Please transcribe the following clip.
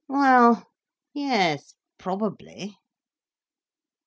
"Well—yes—probably."